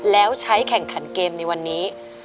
แล้วใช้แข่งขันเกมในวันนี้